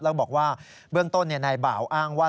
แล้วบอกว่าเบื้องต้นนายบ่าวอ้างว่า